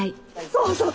そうそう！